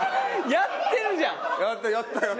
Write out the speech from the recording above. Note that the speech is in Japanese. やってるじゃん。